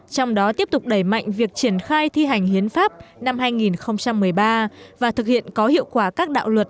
trong đó tiếp tục đẩy mạnh việc triển khai thi hành hiến pháp năm hai nghìn một mươi ba và thực hiện có hiệu quả các đạo luật